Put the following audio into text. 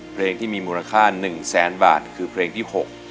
เพลงที่มีมูลค่า๑แสนบาทคือเพลงที่๖